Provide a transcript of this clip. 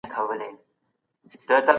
دا کالي د هغه بل په پرتله نرم دی.